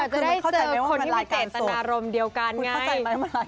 คุณเข้าใจไหมว่ามันรายการโสด